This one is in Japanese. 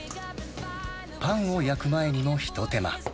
パンを焼く前にも一手間。